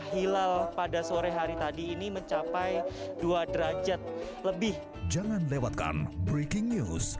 hilal pada sore hari tadi ini mencapai dua derajat lebih jangan lewatkan breaking news